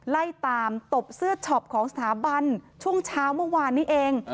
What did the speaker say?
ไล่ตามตบเสื้อช็อปของสถาบันช่วงเช้าเมื่อวานนี้เอง